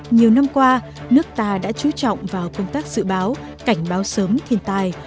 nhiều năm qua nước ta đã trú trọng vào công tác dự báo cảnh báo sớm thiên tài